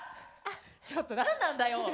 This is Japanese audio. ちょっと何なんだよ？